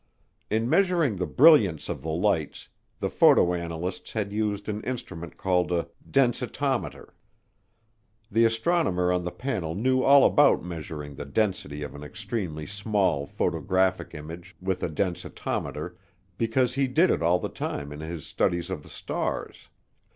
In measuring the brilliance of the lights, the photo analysts had used an instrument called a densitometer. The astronomer on the panel knew all about measuring the density of an extremely small photographic image with a densitometer because he did it all the time in his studies of the stars.